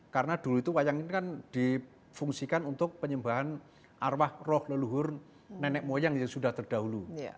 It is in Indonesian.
karena dulu itu wayang ini kan difungsikan untuk penyembahan arwah roh leluhur nenek moyang yang sudah terdahulu